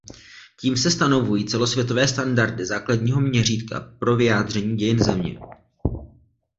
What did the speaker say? Tím se stanovují celosvětové standardy základního měřítka pro vyjádření dějin Země.